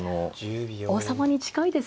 王様に近いですもんね。